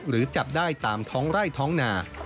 หรือจับได้ตามท้องไร่ท้องนา